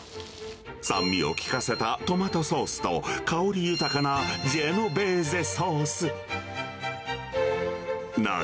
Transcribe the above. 酸味を効かせたトマトソースと、香り豊かなジェノベーゼソース。